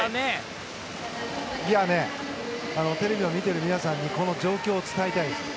テレビを見ている皆さんにこの状況を伝えたいです。